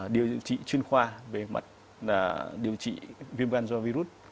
điều trị chuyên khoa về mặt điều trị viêm gan do virus